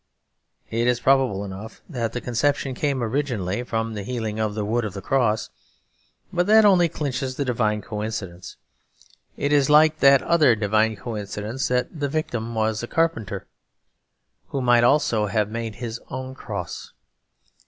It is probable enough that the conception came originally from the healing of the wood of the Cross; but that only clinches the divine coincidence. It is like that other divine coincidence that the Victim was a carpenter, who might almost have made His own cross.